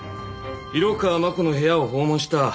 色川真子の部屋を訪問した。